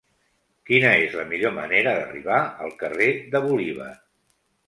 Quina és la millor manera d'arribar al carrer de Bolívar?